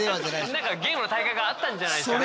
何かゲームの大会があったんじゃないですかね。